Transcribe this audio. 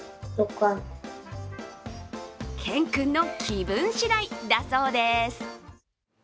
ＫＥＮ君の気分しだいだそうです。